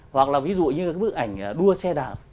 hoặc là ví dụ như cái bức ảnh đua xe đạp